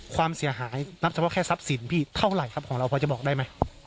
ความเสียหายนับเฉพาะแค่ทรัพย์สินพี่เท่าไหร่ครับของเราพอจะบอกได้ไหม